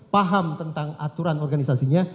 paham tentang aturan organisasinya